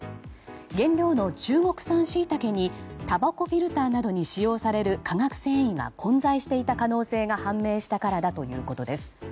原料の中国産シイタケにたばこフィルターなどに使用される化学繊維が混在していた可能性が判明したからだということです。